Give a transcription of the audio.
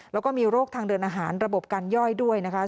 แล้วก็มีโรคทางเดินอาหารระบบการย่อยด้วยนะคะ